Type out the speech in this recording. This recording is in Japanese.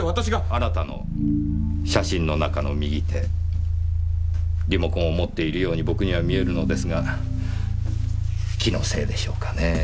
あなたの写真の中の右手リモコンを持っているように僕には見えるのですが気のせいでしょうかねぇ。